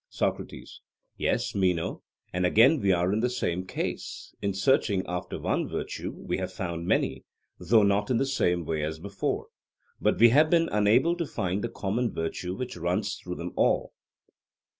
SOCRATES: Yes, Meno; and again we are in the same case: in searching after one virtue we have found many, though not in the same way as before; but we have been unable to find the common virtue which runs through them all.